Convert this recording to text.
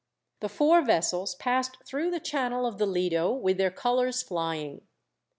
The four vessels passed through the channel of the Lido with their colours flying.